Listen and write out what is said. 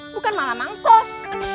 bukan malah mangkos